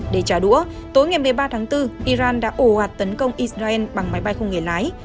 để trả đũa tối ngày một mươi ba tháng bốn iran đã ổ hạt tấn công israel bằng máy bay không nghề lái